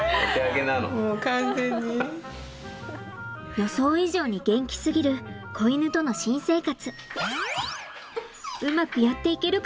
予想以上に元気すぎる子犬との新生活。